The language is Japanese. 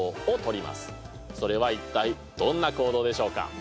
それは一体どんな行動でしょうか。